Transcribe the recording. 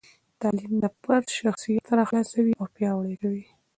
تعلیم د فرد شخصیت راخلاصوي او پیاوړي کوي.